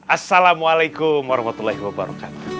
assalamualaikum warahmatullahi wabarakatuh